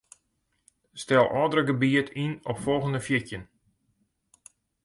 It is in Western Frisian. Stel ôfdrukgebiet yn op folgjende fjirtjin.